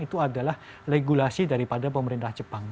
itu adalah regulasi daripada pemerintah jepang